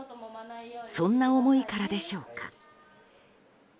そんな思いからでしょうか。